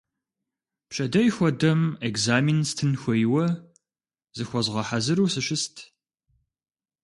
Пщэдей хуэдэм экзамен стын хуейуэ, зыхуэзгъэхьэзыру сыщыст.